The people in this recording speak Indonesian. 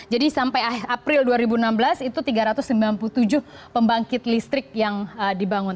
jadi sampai april dua ribu enam belas itu tiga ratus sembilan puluh tujuh pembangkit listrik yang dibangun